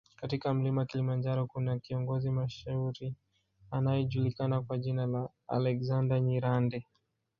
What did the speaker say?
katika mlima Kilimanjaro kuna kiongozi mashuhuri anayejulikana kwa jina la Alexander Nyirande